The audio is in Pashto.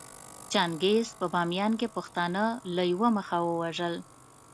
چنګېز په باميان کې پښتانه له يوه مخه ووژل